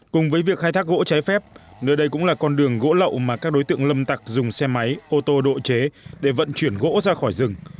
cùng với việc khai thác gỗ trái phép nơi đây cũng là con đường gỗ lậu mà các đối tượng lâm tặc dùng xe máy ô tô độ chế để vận chuyển gỗ ra khỏi rừng